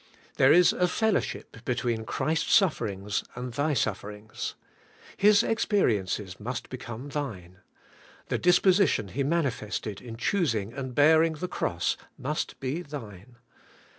There is a fellowship between Christ's sufferings and thy sufferings. His experi ences must become thine. The disposition He mani fested in choosing and bearing the cross must be thine.